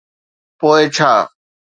پوءِ ڇا؟